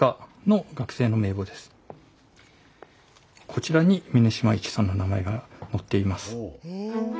こちらに峯島一さんの名前が載っています。